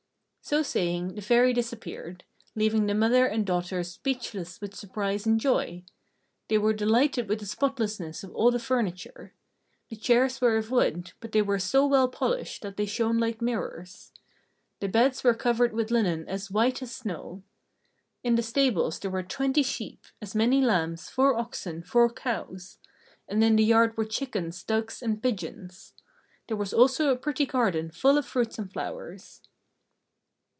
So saying the Fairy disappeared, leaving the mother and daughters speechless with surprise and joy. They were delighted with the spotlessness of all the furniture. The chairs were of wood, but they were so well polished that they shone like mirrors. The beds were covered with linen as white as snow. In the stables there were twenty sheep, as many lambs, four oxen, four cows; and in the yard were chickens, ducks, and pigeons. There was also a pretty garden full of fruits and flowers.